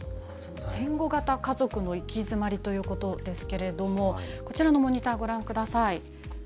戦後型家族の行き詰まりということですけれどもこちらのモニター、ご覧ください。